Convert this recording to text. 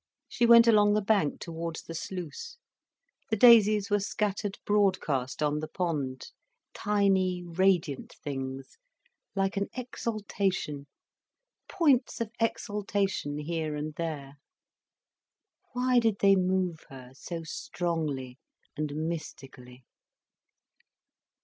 She went along the bank towards the sluice. The daisies were scattered broadcast on the pond, tiny radiant things, like an exaltation, points of exaltation here and there. Why did they move her so strongly and mystically?